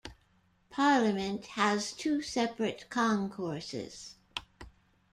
Parliament has two separate concourses.